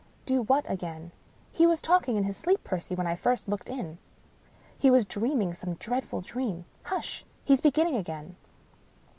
". Do what again ?"" He was talking in his sleep, Percy, when I first looked in. He was dreaming some dreadful dream. Hush ! he's beginning again."